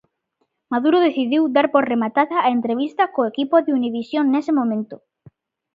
Maduro decidiu dar por rematada a entrevista co equipo de Univisión nese momento.